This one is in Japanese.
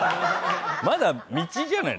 まだ道じゃない？